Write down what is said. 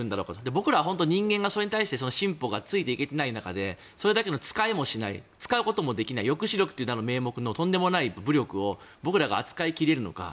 僕ら本当に人間がそれに対して進歩がついていけていない中でそれだけの使えもしない使うこともできない抑止力という名目のとんでもない武力を僕らが扱い切れるのか。